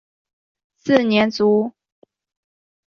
四年卒。